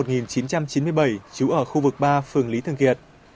trú ở khu vực ba phường lý thường kiệt